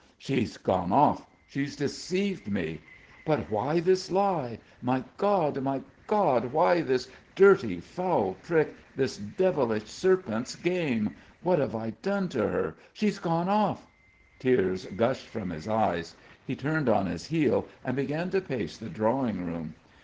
"She's gone off! She's deceived me! But why this lie? My God, my God! Why this dirty, foul trick, this devilish, serpent's game? What have I done to her? She's gone off." Tears gushed from his eyes. He turned on his heel and began to pace the drawing room.